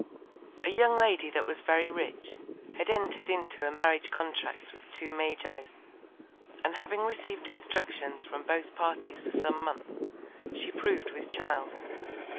A young Lady that was very rich, had entred into a Marriage Contract with two Magis; and having receiv'd Instructions from both Parties for some Months, she prov'd with Child.